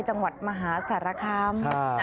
จังหวัดมหาสารคาม